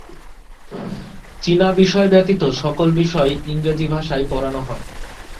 চীনা বিষয় ব্যতীত সকল বিষয় ইংরেজি ভাষায় পড়ানো হয়।